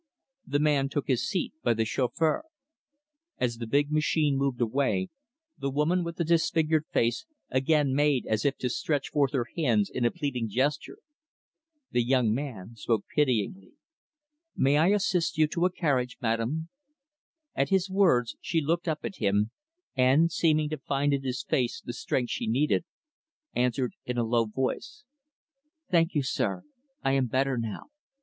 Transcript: The man took his seat by the chauffeur. As the big machine moved away, the woman with the disfigured face, again made as if to stretch forth her hands in a pleading gesture. The young man spoke pityingly; "May I assist you to a carriage, madam?" At his words, she looked up at him and seeming to find in his face the strength she needed answered in a low voice, "Thank you, sir; I am better now.